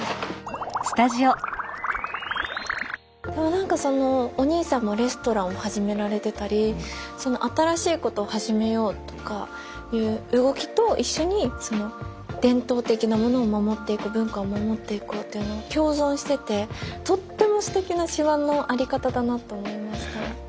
何かお兄さんもレストランを始められてたり新しいことを始めようとかいう動きと一緒に伝統的なものを守っていく文化を守っていこうというのを共存しててとってもすてきな島の在り方だなって思いました。